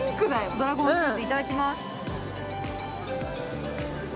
ドラゴンフルーツいただきます